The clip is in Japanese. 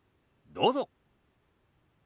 どうぞ。